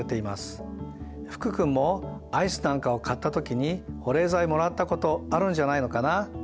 福君もアイスなんかを買った時に保冷剤もらったことあるんじゃないのかな？